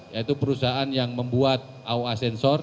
yaitu perusahaan yang membuat aoa sensor